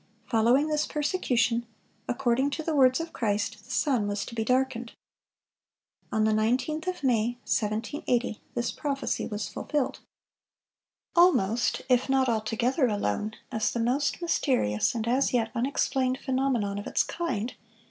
Following this persecution, according to the words of Christ, the sun was to be darkened. On the 19th of May, 1780, this prophecy was fulfilled. "Almost if not altogether alone, as the most mysterious and as yet unexplained phenomenon of its kind